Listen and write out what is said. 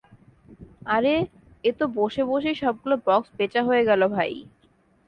আরে এ তো, বসে বসেই সবগুলা বাক্স বেচা হয়ে গেল, ভাই।